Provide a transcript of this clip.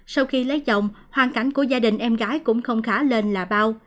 sau khi lấy chồng hoàn cảnh của gia đình em gái cũng không khá lên là bao